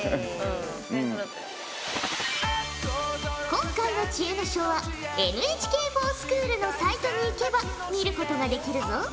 今回の知恵の書はＮＨＫｆｏｒＳｃｈｏｏｌのサイトにいけば見ることができるぞ。